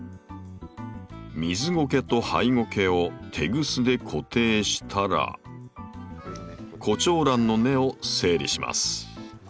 水ゴケとハイゴケをテグスで固定したらコチョウランの根を整理します。